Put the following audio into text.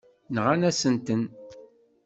Nɣan-asent-ten.